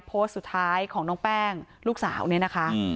โพสต์สุดท้ายของพี่แปงลูกสาวนี่นะคะ